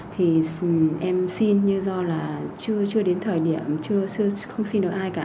thì em xin như do là chưa đến thời điểm chưa không xin được ai cả